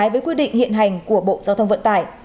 với quy định hiện hành của bộ giao thông vận tải